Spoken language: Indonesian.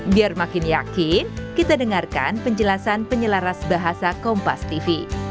biar makin yakin kita dengarkan penjelasan penyelaras bahasa kompas tv